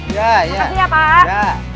makasih ya pak